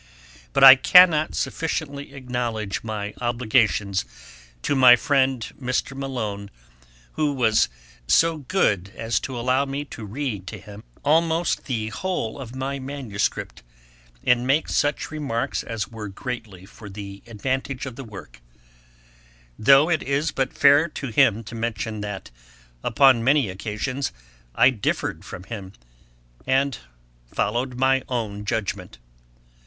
But I cannot sufficiently acknowledge my obligations to my friend Mr. Malone, who was so good as to allow me to read to him almost the whole of my manuscript, and make such remarks as were greatly for the advantage of the Work; though it is but fair to him to mention, that upon many occasions I differed from him, and followed my own judgement.